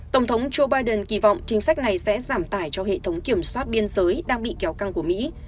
tổng thống joe biden kỳ vọng chính sách này sẽ giảm tải cho hệ thống kiểm soát biên giới đang bị kéo căng của mỹ